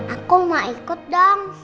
aku mau ikut dong